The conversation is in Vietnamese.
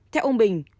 theo ông bình